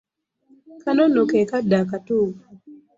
Kano nno ke kadde akatuufu.